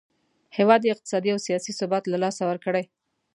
هیواد یې اقتصادي او سیاسي ثبات له لاسه ورکړی.